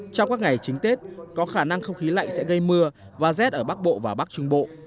trong các ngày chính tết có khả năng không khí lạnh sẽ gây mưa và rét ở bắc bộ và bắc trung bộ